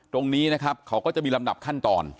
ตรงนี้นะครับเขาก็จะมีลำดับขั้นตอน